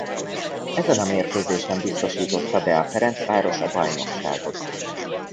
Ezen a mérkőzésen biztosította be a Ferencváros a bajnokságot.